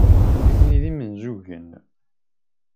Nitni d imenzugen.